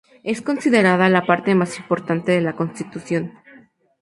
Es considerada la parte más importante de la Constitución.